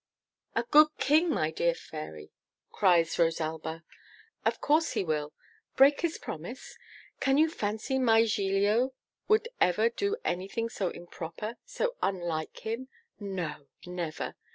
'A good King, my dear Fairy!' cries Rosalba. 'Of course he will. Break his promise! can you fancy my Giglio would ever do anything so improper, so unlike him? No! never!